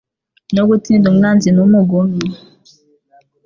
no gutsinda umwanzi n’umugome